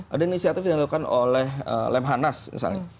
ada inisiatif yang dilakukan oleh lem hanas misalnya